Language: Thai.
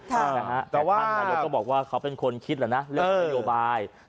แต่ท่านนาโยกก็บอกว่าเขาเป็นคนคิดละนะเนี่ยเรียนว่านโครงการ